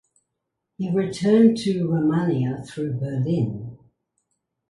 He returned to Romania through Berlin.